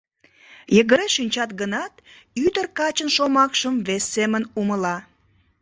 Йыгыре шинчат гынат, ӱдыр качын шомакшым вес семын умыла.